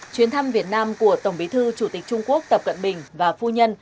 chuyến thăm việt nam của tổng bí thư chủ tịch trung quốc tập cận bình và phu nhân